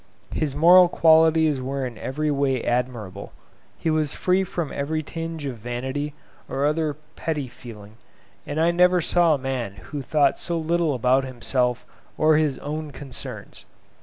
His moral qualities were in every way admirable. He was free from every tinge of vanity or other petty feeling; and I never saw a man who thought so little about himself or his own concerns.